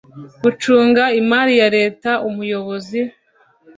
Gucunga imari ya leta umuyobozi